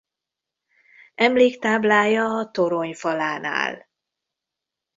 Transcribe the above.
Emléktáblája a torony falán áll.